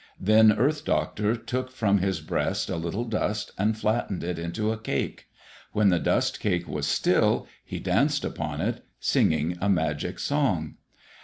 Then Earth Doctor took from his breast a little dust and flattened it into a cake. When the dust cake was still, he danced upon it, singing a magic song.